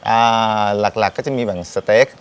อ่าหลักก็จะมีสเต๊ก